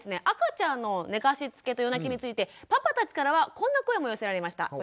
赤ちゃんの寝かしつけと夜泣きについてパパたちからはこんな声も寄せられました。